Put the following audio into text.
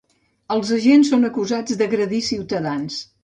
Els agents són acusats d’agredir ciutadans.